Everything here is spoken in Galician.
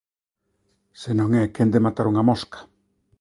se non é quen de matar unha mosca.